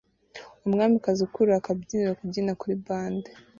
Umwamikazi ukurura akabyiniro kubyina kuri bande